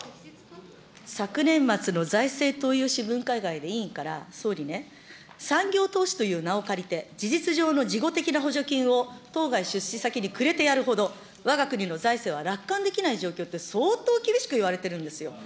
昨年末の財政投融資分科会で委員から総理ね、産業投資という名を借りて、事実上の事後的な補助金を当該出資先にくれてやるほど、わが国の財政は楽観できない状況って、相当厳しくいわれてるんですよ。